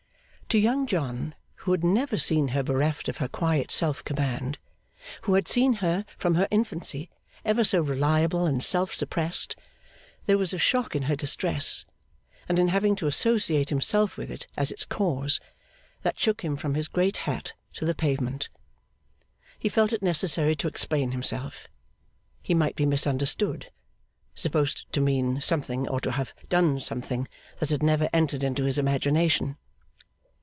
To Young John, who had never seen her bereft of her quiet self command, who had seen her from her infancy ever so reliable and self suppressed, there was a shock in her distress, and in having to associate himself with it as its cause, that shook him from his great hat to the pavement. He felt it necessary to explain himself. He might be misunderstood supposed to mean something, or to have done something, that had never entered into his imagination.